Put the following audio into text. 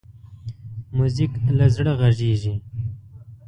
موزیک له زړه غږېږي.